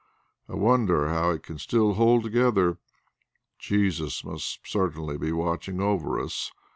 I wonder how it can still hold together. Jesus must certainly be watching over us.